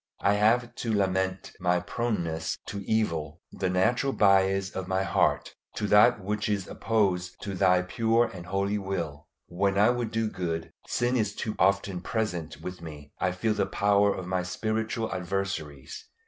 I have to lament my proneness to evil, the natural bias of my heart to that which is opposed to Thy pure and holy will. When I would do good, sin is too often present with me. I feel the power of my spiritual adversaries.